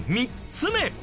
３つ目。